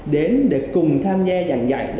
đến để cùng tham gia giảng dạy